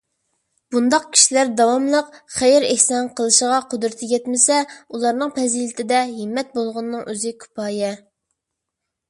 بۇنداق كىشىلەر داۋاملىق خەير - ئېھسان قىلىشىغا قۇدرىتى يەتمىسە، ئۇلارنىڭ پەزىلىتىدە ھىممەت بولغىنىنىڭ ئۆزى كۇپايە.